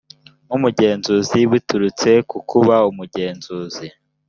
nk umugenzuzi biturutse ku kuba umugenzuzi